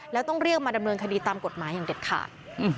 แล้วต้องเรียกมาดำเนินคดีตามกฎหมายอย่างเด็ดขาด